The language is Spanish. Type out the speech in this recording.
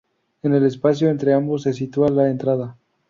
En el espacio entre ambos se sitúa la entrada.